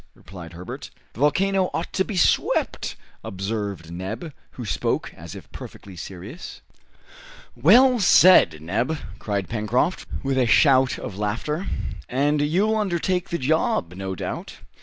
replied Herbert. "The volcano ought to be swept," observed Neb, who spoke as if perfectly serious. "Well said, Neb!" cried Pencroft, with a shout of laughter; "and you'll undertake the job, no doubt?"